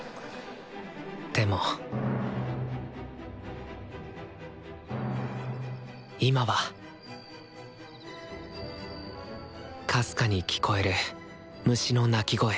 でも今はかすかに聴こえる虫の鳴き声。